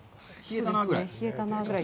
冷えたなぐらい？